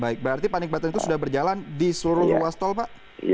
baik berarti panik batan itu sudah berjalan di seluruh ruas tol pak